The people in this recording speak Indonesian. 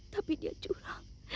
tapi dia curang